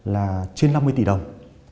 là trên năm mươi tỷ đồng